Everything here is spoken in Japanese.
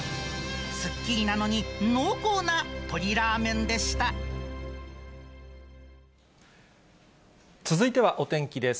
すっきりなのに、続いてはお天気です。